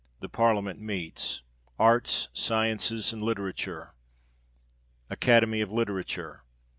The parliament meets. Arts, sciences, and literature. Academy of Literature.